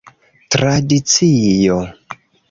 Tradicio.